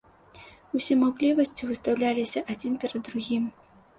Усе маўклівасцю выстаўляліся адзін перад другім.